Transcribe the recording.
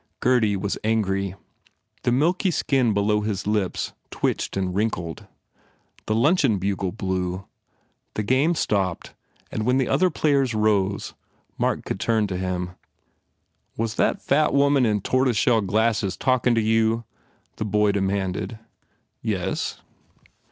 Gurdy was angry. The milky skin below his lips twitched and wrinkled. The luncheon bugle blew. The game stopped and, when the other players rose, Mark could turn to him. "Was that fat woman in tortoise shell glasses talkin to you ?" The boy demanded. "Yes."